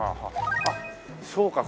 あっそうか。